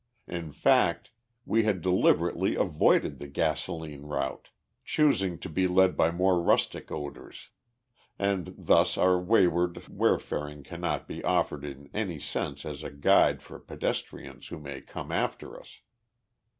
In fact, we had deliberately avoided the gasoline route, choosing to be led by more rustic odours; and thus our wayward wayfaring cannot be offered in any sense as a guide for pedestrians who may come after us.